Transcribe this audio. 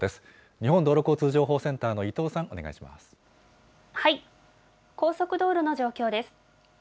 日本道路交通情報センターの伊藤高速道路の状況です。